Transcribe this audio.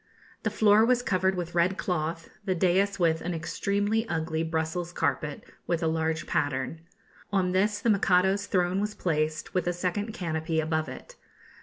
The floor was covered with red cloth; the daïs with an extremely ugly Brussels carpet, with a large pattern. On this the Mikado's throne was placed, with a second canopy above it.